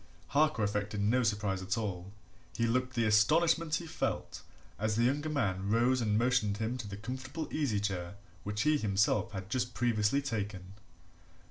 Harker affected no surprise at all he looked the astonishment he felt as the younger man rose and motioned him to the comfortable easy chair which he himself had just previously taken.